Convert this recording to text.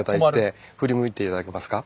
振り向いて頂けますか？